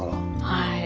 はい。